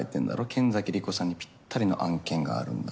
剣崎莉子さんにぴったりの案件があるんだ